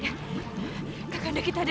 dina kembali saja